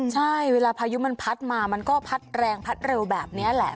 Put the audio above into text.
ใช่เวลาพายุมันพัดมามันก็พัดแรงพัดเร็วแบบนี้แหละ